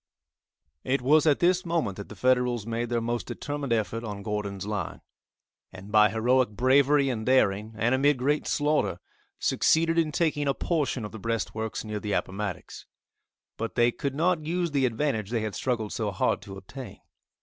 It was at this moment that the Federals made their most determined effort on Gordon's lines, and by heroic bravery and daring, and amid great slaughter, succeeded in taking a portion of the breastworks near the Appomattox. But they could not use the advantage they had struggled so hard to obtain.